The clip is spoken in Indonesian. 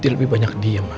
dia lebih banyak diam mas